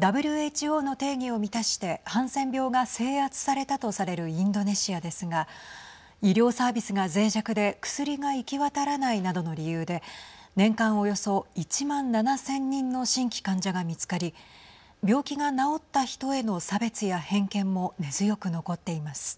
ＷＨＯの定義を満たしてハンセン病が制圧されたとされるインドネシアですが医療サービスがぜい弱で薬が行き渡らないなどの理由で年間およそ１万７０００人の新規患者が見つかり病気が治った人への差別や偏見も根強く残っています。